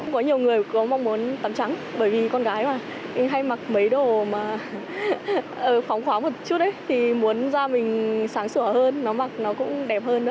có nhiều người cũng mong muốn tắm trắng bởi vì con gái mà hay mặc mấy đồ mà phóng khóa một chút thì muốn da mình sáng sủa hơn nó mặc nó cũng đẹp hơn nữa